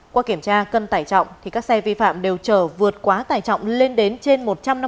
qua kiểm tra cân tải trọng thì các xe vi phạm đều chở vượt quá tải trọng lên đến trên một trăm năm mươi